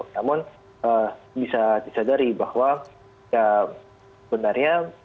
namun bisa disadari bahwa ya benarnya